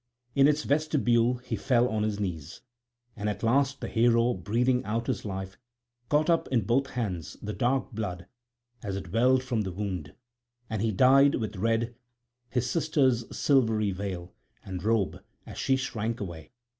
In its vestibule he fell on his knees; and at last the hero breathing out his life caught up in both hands the dark blood as it welled from the wound; and he dyed with red his sister's silvery veil and robe as she shrank away.